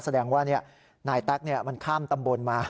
แสดงว่านายแต๊กมันข้ามตำบลมา